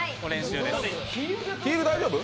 ヒール大丈夫？